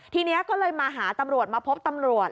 ทีนี้ก็เลยมาหาตำรวจมาพบตำรวจ